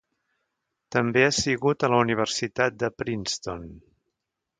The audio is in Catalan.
També ha sigut a la Universitat de Princeton.